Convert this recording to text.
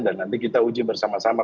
dan nanti kita uji bersama sama